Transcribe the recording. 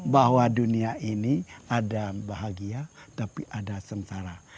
bahwa dunia ini ada bahagia tapi ada sengsara